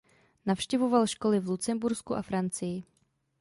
Navštěvoval školy v Lucembursku a Francii.